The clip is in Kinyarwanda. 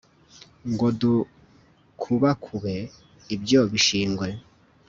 ngo dukubakube ibyo bishingwe